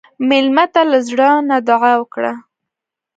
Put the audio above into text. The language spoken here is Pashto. مېلمه ته له زړه نه دعا وکړه.